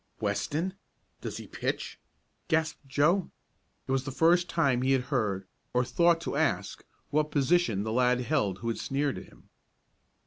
"Weston does he pitch?" gasped Joe. It was the first time he had heard or thought to ask what position the lad held who had sneered at him.